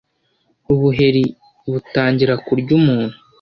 Ubuheri butangira kurya umuntu